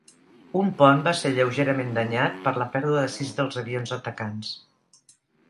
Un pont va ser lleugerament danyat per la pèrdua de sis dels avions atacants.